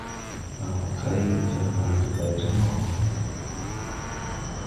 Nàa mo kay we jar ma de gayrin wɔ.